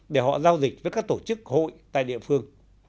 để họ giao dịch với các tổ chức hội tại địa phương